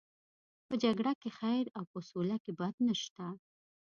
په جګړه کې خیر او په سوله کې بد نشته.